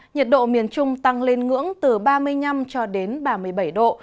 nhiệt độ miền trung tăng lên ngưỡng từ ba mươi năm cho đến ba mươi bảy độ